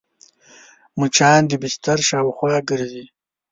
مچان د بستر شاوخوا ګرځي